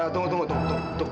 tunggu tunggu tunggu